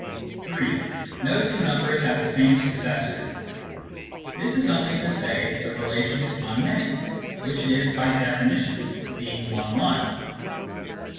(3) " No two numbers have the same successor." This is only to say that the relation is one many, which it is by definition (being one one).